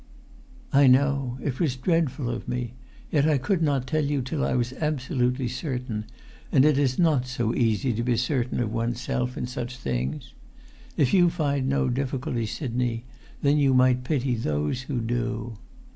"I know; it was dreadful of me; yet I could not[Pg 332] tell you till I was absolutely certain, and it is not so easy to be certain of oneself in such things. If you find no difficulty, Sidney, then you might pity those who do.